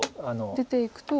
出ていくと。